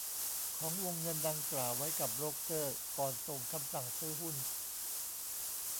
ของวงเงินดังกล่าวไว้กับโบรกเกอร์ก่อนส่งคำสั่งซื้อหุ้น